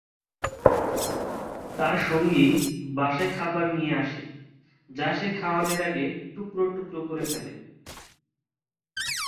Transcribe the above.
তার সঙ্গী বাসায় খাবার নিয়ে আসে, যা সে খাওয়ানোর আগে টুকরো টুকরো করে ফেলে।